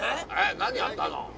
何やったの？